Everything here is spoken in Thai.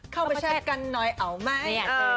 เข้ามาเชัตกันน้อยเอาไหม